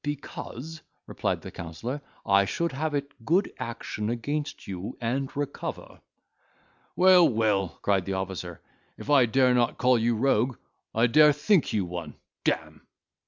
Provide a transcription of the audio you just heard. "Because," replied the counsellor, "I should have it good action against you, and recover." "Well, well," cried the officer, "if I dare not call you rogue, I dare think you one, d—me!"